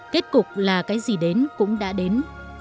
kết cục là cái gì đến cũng đã đến